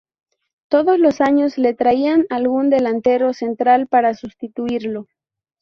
Todos los años le traían algún delantero central para sustituirlo.